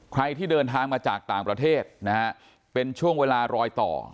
ใครที่เดินทางมาจากต่างประเทศนะฮะเป็นช่วงเวลารอยต่อ